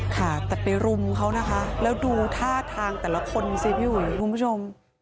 ค่ะแต่ไปรุมเขานะคะแล้วดูท่าทางแต่ละคนสิพี่อุ๋ยคุณผู้ชม